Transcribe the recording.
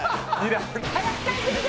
早く帰ってきて！